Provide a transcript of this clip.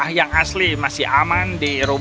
saya dan sloth memakai kau